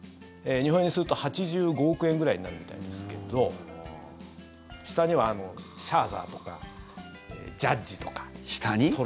日本円にすると８５億円くらいになるみたいですけど下にはシャーザーとかジャッジとか。